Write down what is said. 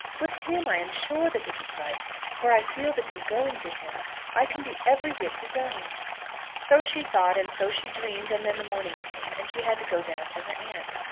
With him I am sure that it is right, for I feel that in going to him I can be every bit his own." So she thought, and so she dreamed; and then the morning came, and she had to go down to her aunt.